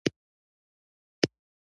هغوی معلومات ورکړي.